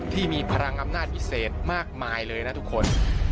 ที่มีพลังอำนาจพิเศษมากมายเลยนะทุกคน